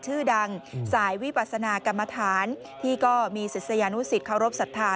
ชื่อดังสายวิปัสนากรรมฐานที่ก็มีศิษยานุสิตเคารพสัทธา